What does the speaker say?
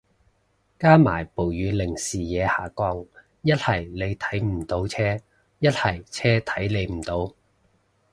加埋暴雨令視野下降，一係你睇唔到車，一係車睇你唔到